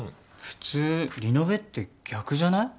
普通リノベって逆じゃない？